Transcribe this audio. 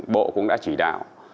bộ cũng đã chỉ đạo